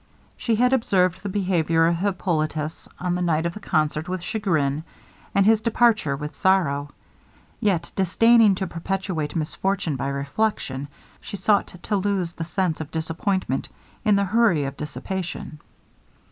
She had observed the behaviour of Hippolitus on the night of the concert with chagrin, and his departure with sorrow; yet, disdaining to perpetuate misfortune by reflection, she sought to lose the sense of disappointment in the hurry of dissipation.